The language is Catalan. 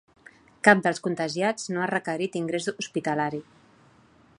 Cap dels contagiats no ha requerit ingrés hospitalari.